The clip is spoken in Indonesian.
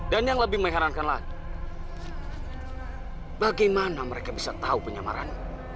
dan yang lebih mengherankan lagi bagaimana mereka bisa tahu penyamaran